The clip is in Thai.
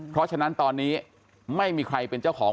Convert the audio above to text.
เพราะฉะนั้นตอนนี้ไม่มีใครเป็นเจ้าของ